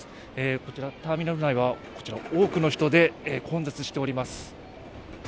こちら、ターミナル内は多くの人で混雑しております。